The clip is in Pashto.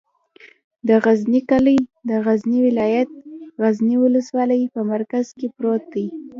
د غزنی کلی د غزنی ولایت، غزنی ولسوالي په مرکز کې پروت دی.